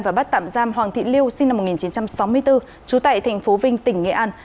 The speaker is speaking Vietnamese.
và bắt tạm giam hoàng thị lưu sinh năm một nghìn chín trăm sáu mươi bốn trú tại thành phố vinh tỉnh nghệ an